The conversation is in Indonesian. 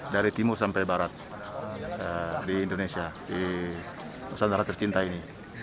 dari timur sampai barat di indonesia di nusantara tercinta ini